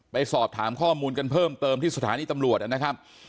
ไปสอบถามข้อมูลกันเพิ่มเติมที่สถานีตำรวจนะครับ